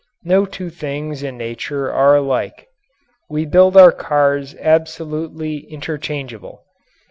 No two things in nature are alike. We build our cars absolutely interchangeable.